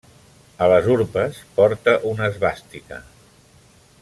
A les urpes porta una esvàstica.